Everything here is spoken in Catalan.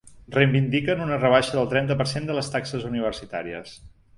Reivindiquen una rebaixa del trenta per cent de les taxes universitàries.